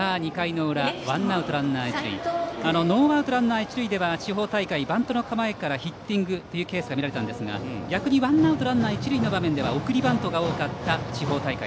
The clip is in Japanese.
ノーアウトランナー、一塁では地方大会、バントの構えからヒッティングというケースが見られたんですが逆にワンアウトランナー、一塁の場面では送りバントが多かった地方大会。